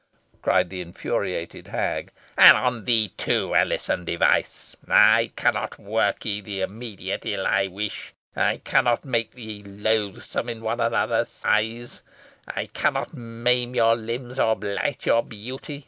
cried the infuriated hag, "and on thee too, Alizon Device, I cannot work ye the immediate ill I wish. I cannot make ye loathsome in one another's eyes. I cannot maim your limbs, or blight your beauty.